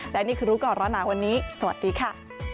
และนี่คือรู้ก่อนร้อนหนาวันนี้สวัสดีค่ะ